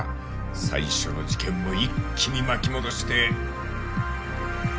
最初の事件も一気に巻き戻して。